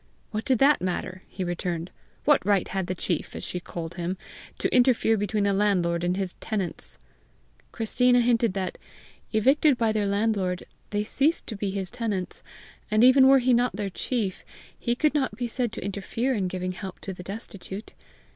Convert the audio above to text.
What did that matter! he returned. What right had the chief, as she called him, to interfere between a landlord and his tenants? Christina hinted that, evicted by their landlord, they ceased to be his tenants, and even were he not their chief, he could not be said to interfere in giving help to the destitute.